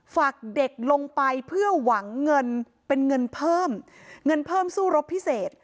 ฝากเด็กลงไปเพื่อหวังเงินเป็นเงินเพิ่มเงินเพิ่มสู้รบพิเศษ